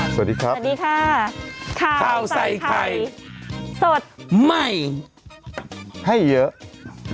สวัสดีครับสวัสดีค่ะข้าวใส่ไข่สดใหม่ให้เยอะ